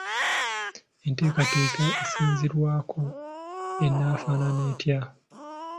Enteekateeka esinziirwako enaafaanana etya?